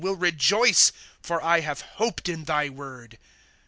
will rejoice ; For I have hoped in thy word.